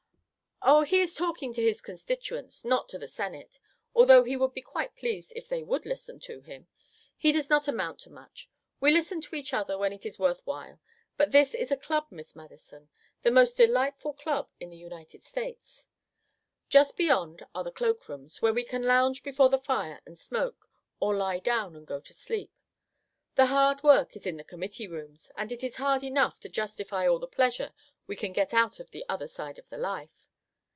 "Oh, he is talking to his constituents, not to the Senate although he would be quite pleased if it would listen to him. He does not amount to much. We listen to each other when it is worth while; but this is a Club, Miss Madison, the most delightful Club in the United States. Just beyond are the cloakrooms, where we can lounge before the fire and smoke, or lie down and go to sleep. The hard work is in the Committee rooms, and it is hard enough to justify all the pleasure we can get out of the other side of the life.